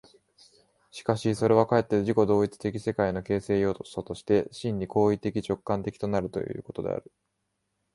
しかしそれはかえって自己同一的世界の形成要素として、真に行為的直観的となるということである。